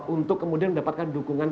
untuk kemudian mendapatkan dukungan